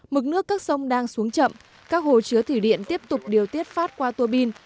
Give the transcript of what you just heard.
mực nước các sông đang xuống chậm các hồ chứa thủy điện tiếp tục điều tiết phát qua tua bin